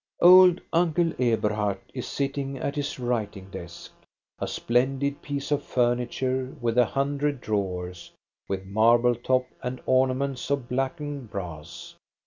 Old Uncle Eberhard is sitting at his writing desk, — a splendid piece of furniture with a hundred drawers, with marble top and ornaments of blackened brass.